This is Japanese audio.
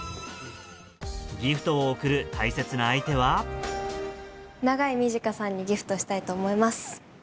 ギフトを贈る大切な相手は長井短さんにギフトしたいと思います。